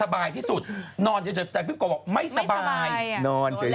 บู๊กวิลลิฟต์เป็นผี